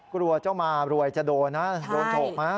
กลัวเจ้ามารวยจะโดนนะโดนโฉกนะ